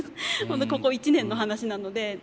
ここ１年の話なので。